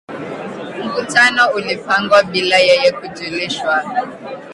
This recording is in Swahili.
Mkutano ulipangwa bila yeye kujulishwa